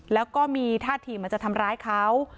แล้วก็มีท่าทีเหมือนจะทำร้ายเขา